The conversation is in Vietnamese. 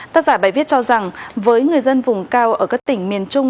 tác giả bài viết cho rằng với người dân vùng cao ở các tỉnh miền trung